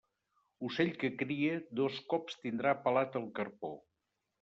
Ocell que cria, dos cops tindrà pelat el carpó.